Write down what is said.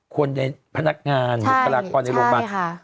คนในพนักงานบุคลากรในโรงพยาบาล